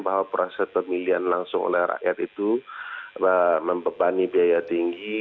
bahwa proses pemilihan langsung oleh rakyat itu membebani biaya tinggi